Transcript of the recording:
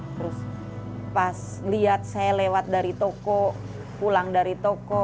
terus pas lihat saya lewat dari toko pulang dari toko